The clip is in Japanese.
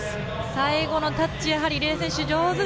最後のタッチやはり入江選手